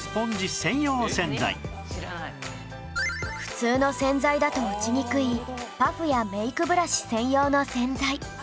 普通の洗剤だと落ちにくいパフやメイクブラシ専用の洗剤